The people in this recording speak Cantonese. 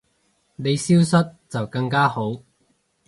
你消失就更加好